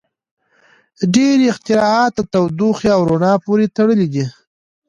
• ډېری اختراعات د تودوخې او رڼا پورې تړلي دي.